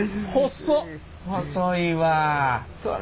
細いわあ。